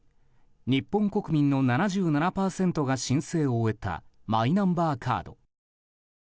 日本国民の７７％が申請を終えたマイナンバーカード。